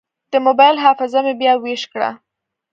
د موبایل حافظه مې بیا ویش کړه.